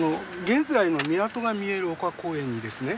現在の港が見える丘公園にですね